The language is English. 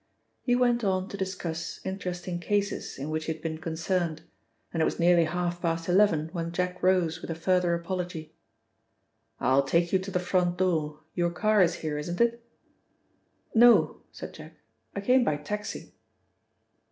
He went on to discuss interestingly cases in which he had been concerned, and it was nearly half past eleven when Jack rose with a further apology. "I'll take you to the front door; your car is here, isn't it?" "No," said Jack. "I came by taxi."